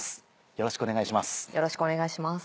よろしくお願いします。